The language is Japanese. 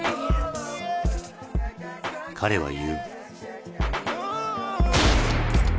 彼は言う。